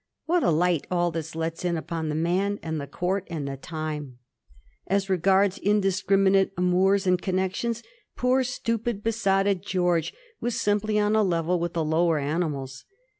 What a light all this lets in upon the man, and the Court, and the time ! As regards indis criminate amours and connections, poor, stupid, besotted George was simply on a level with the lower animals.